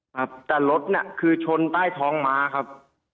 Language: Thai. ครับแต่รถน่ะคือชนใต้ท้องม้าครับ